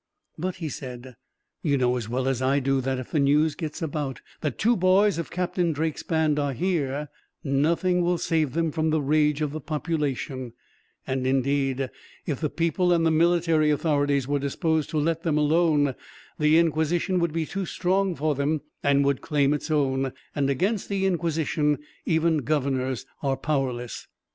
"But," he said, "you know as well as I do that, if the news gets about that two boys of Captain Drake's band are here, nothing will save them from the rage of the population; and indeed, if the people and the military authorities were disposed to let them alone, the Inquisition would be too strong for them, and would claim its own; and against the Inquisition even governors are powerless.